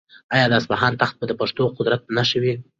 آیا د اصفهان تخت به د پښتنو د قدرت نښه وي؟